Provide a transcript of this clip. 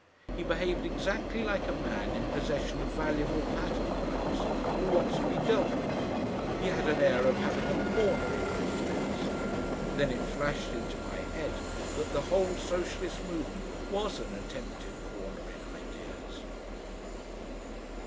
He behaved exactly like a man in possession of valuable patent rights, who wants to be dealt with. He had an air of having a corner in ideas. Then it flashed into my head that the whole Socialist movement was an attempted corner in ideas....